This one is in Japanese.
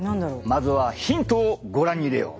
まずはヒントをご覧に入れよう！